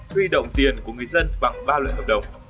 huy động tiền của người dân bằng ba loại hợp đồng